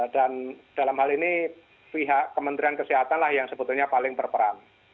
dan dalam hal ini pihak kementerian kesehatan lah yang sebetulnya paling berperan